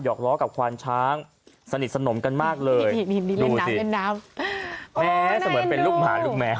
อกล้อกับควานช้างสนิทสนมกันมากเลยนี่มีเล่นน้ำเล่นน้ำแม้เสมือนเป็นลูกหมาลูกแมว